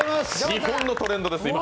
日本のトレンドです、今。